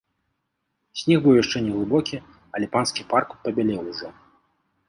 Снег быў яшчэ не глыбокі, але панскі парк пабялеў ужо.